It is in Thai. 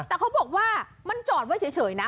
แต่เขาบอกว่ามันจอดไว้เฉยนะ